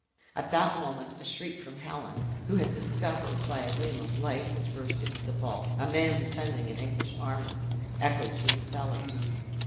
At that moment, a shriek from Helen (who had discovered, by a gleam of light which burst into the vault, a man descending in English armor), echoed through the cellars.